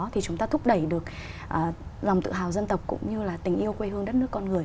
thì chúng ta thúc đẩy được lòng tự hào dân tộc cũng như là tình yêu quê hương đất nước con người